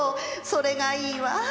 それがいいわ。